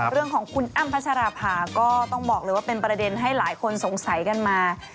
เรื่องของคุณอ้ำพัชราภาก็ต้องบอกเลยว่าเป็นประเด็นให้หลายคนสงสัยกันมา